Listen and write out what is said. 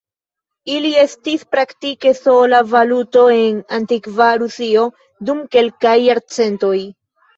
Ili estis praktike sola valuto en antikva Rusio dum kelkaj jarcentoj.